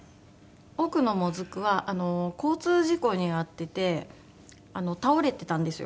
奥のもずくは交通事故に遭ってて倒れてたんですよ。